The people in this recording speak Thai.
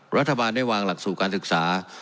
รัฐบาลได้วางหลักสูตรการศึกษา